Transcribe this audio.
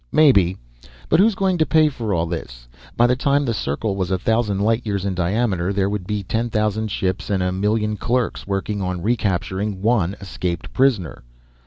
"Maybe. But who's going to pay for all this. By the time the circle was a thousand light years in diameter there would be ten thousand ships and a million clerks working on recapturing one escaped prisoner.